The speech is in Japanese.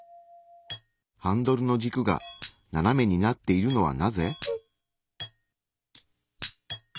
ハンドルの軸が斜めになっているのはなぜ？